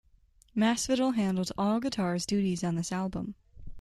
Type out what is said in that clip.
Masvidal handled all guitars duties on this album.